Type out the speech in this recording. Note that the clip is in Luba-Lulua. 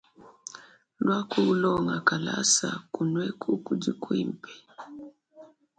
Luaku ulonga kalasa kunueku kudi kuimpe.